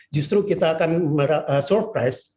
justru kita akan terkejut